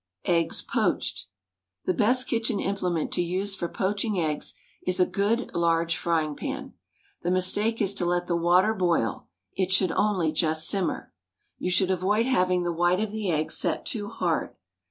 EGGS, POACHED. The best kitchen implement to use for poaching eggs is a good large frying pan. The mistake is to let the water boil; it should only just simmer. You should avoid having the white of the egg set too hard.